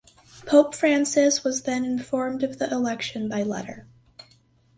Pope Francis was then informed of the election by letter.